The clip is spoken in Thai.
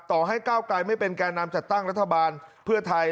ต่อให้ก้าวไกลไม่เป็นแก่นำจัดตั้งรัฐบาลเพื่อไทย